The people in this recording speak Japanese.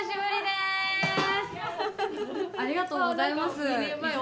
ありがとうございます。